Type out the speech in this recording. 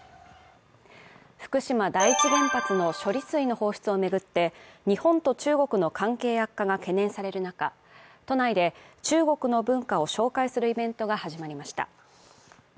福島第一原発の処理水の放出を巡って日本と中国の関係悪化が懸念される中、都内で中国の文化を紹介するイベントが始まりました。